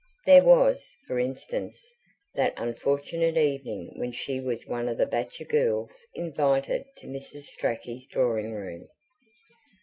There was, for instance, that unfortunate evening when she was one of the batch of girls invited to Mrs. Strachey's drawingroom.